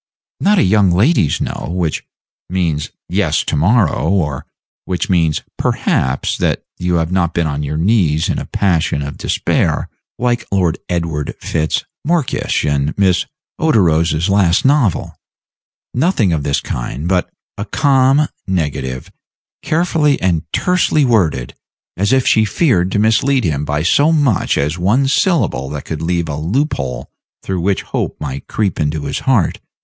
Not a young lady's No, which means yes to morrow, or which means perhaps that you have not been on your knees in a passion of despair, like Lord Edward Fitz Morkysh in Miss Oderose's last novel. Nothing of this kind; but a calm negative, carefully and tersely worded, as if she feared to mislead him by so much as one syllable that could leave a loop hole through which hope might creep into his heart.